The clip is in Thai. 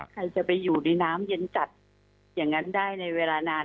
ใครจะไปอยู่ในน้ำเย็นจัดอย่างนั้นได้ในเวลานาน